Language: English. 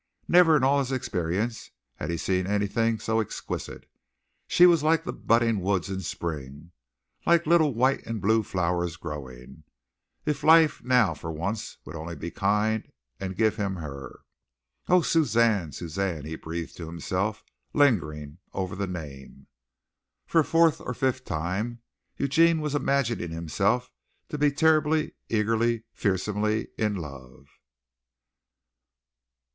Never in all his experiences had he seen anything so exquisite. She was like the budding woods in spring, like little white and blue flowers growing. If life now for once would only be kind and give him her! "Oh, Suzanne, Suzanne!" he breathed to himself, lingering over the name. For a fourth or a fifth time Eugene was imagining himself to be terribly, eagerly, fearsomely in love.